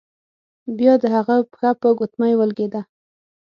بیا د هغه پښه په ګوتمۍ ولګیده.